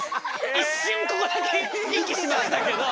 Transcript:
一瞬ここだけ息しましたけど。